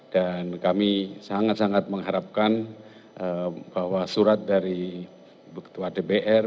dan kami sangat sangat mengharapkan bahwa surat dari ibu ketua dpr